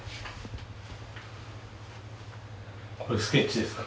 これスケッチですか。